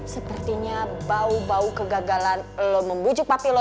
sepertinya bau bau kegagalan lo membujuk papi lo